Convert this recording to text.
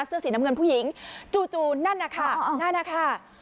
เสื้อสีน้ำเงินผู้หญิงจู่นั่นนะคะนั่นนะคะ